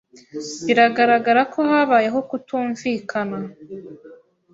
Biragaragara ko habayeho kutumvikana.